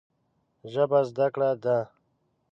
ژبه زده کړه ده